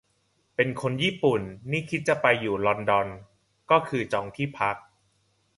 เป็นคนญี่ปุ่นนี่คิดจะไปอยู่ลอนดอนก็คือจองที่พัก